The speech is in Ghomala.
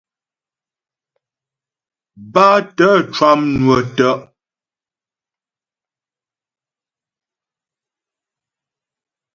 Bátə̀ cwànwə̀ tə'.